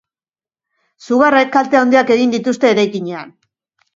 Sugarrek kalte handiak egin dituzte eraikinean.